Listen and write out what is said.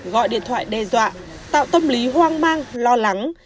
gọi điện thoại đe dọa tạo tâm lý hoang mang lo lắng